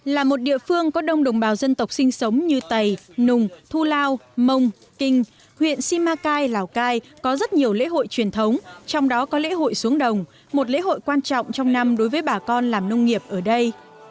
là một địa phương có đông đồng bào dân tộc sinh sống như tày nùng thu lao mông kinh huyện simacai lào cai có rất nhiều lễ hội truyền thống trong đó có lễ hội xuống đồng một lễ hội quan trọng trong năm đối với bà con làm nông nghiệp ở đây